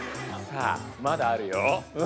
さあまだあるよ。